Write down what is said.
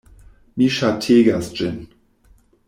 Mi ŝategas ĝin!